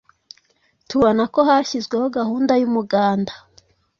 tubona ko hashyizweho gahunda y’umuganda,